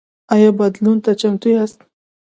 ایا بدلون ته چمتو یاست؟